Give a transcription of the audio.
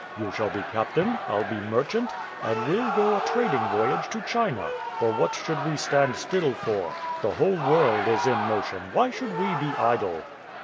You shall be captain, I'll be merchant, and we'll go a trading voyage to China; for what should we stand still for? The whole world is in motion; why should we be idle?"